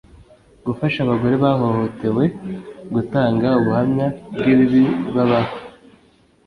gufasha abagore bahohotewe gutanga ubuhamya bw ibibibabaho